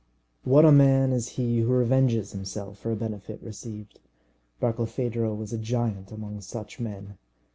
What a man is he who revenges himself for a benefit received! Barkilphedro was a giant among such men.